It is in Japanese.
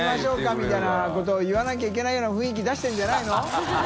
みたいなことを言わなきゃいけないような雰囲気出してるんじゃないの？